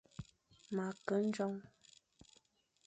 Ma ke ndjong.